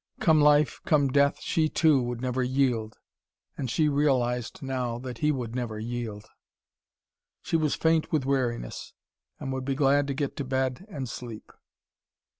Come life, come death, she, too would never yield. And she realised now that he would never yield. She was faint with weariness, and would be glad to get to bed and sleep.